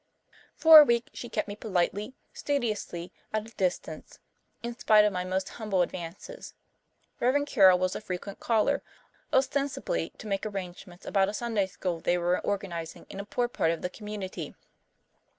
For a week she kept me politely, studiously, at a distance, in spite of my most humble advances. Rev. Carroll was a frequent caller, ostensibly to make arrangements about a Sunday school they were organizing in a poor part of the community.